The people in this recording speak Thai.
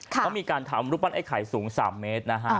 เขามีการทำรูปปั้นไอ้ไข่สูง๓เมตรนะฮะ